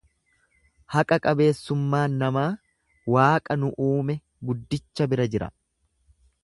Haqa qabeessummaan namaa waaqa nu uume guddicha bira jira.